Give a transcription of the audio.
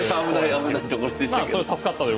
危ないところでしたけど。